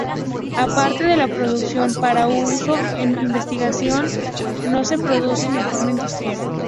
Aparte de la producción para uso en investigación, no se producen en forma industrial.